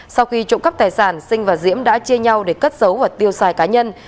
sau khi trộm cắp tài sản sinh và diễm đã chia nhau để cất giấu và tiêu xài cá nhân